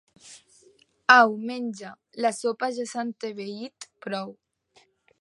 Au, menja: la sopa ja s'ha entebeït prou.